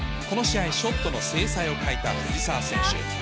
この試合、ショットの精彩を欠いた藤澤選手。